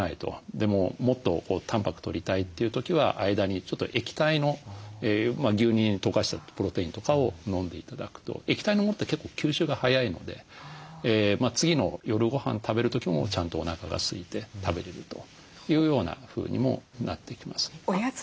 でももっとたんぱくとりたいという時は間にちょっと液体の牛乳に溶かしたプロテインとかを飲んで頂くと液体のものって結構吸収が早いので次の夜ごはん食べる時もちゃんとおなかがすいて食べれるというようなふうにもなってきます。